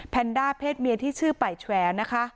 แนนด้าเพศเมียที่ชื่อป่ายแฉนะคะ